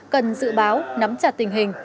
cần dự báo nắm chặt tình hình